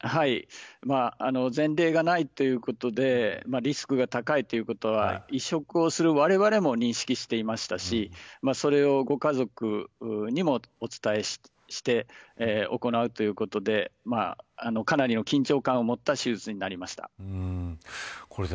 前例がないということでリスクが高いということは移植をするわれわれも認識していましたしそれをご家族にもお伝えして行うということでかなりの緊張感を持った手術になりました。